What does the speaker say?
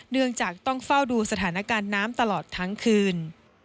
เนื่องจากต้องเฝ้าดูสถานการณ์น้ำตลอดทั้งคืน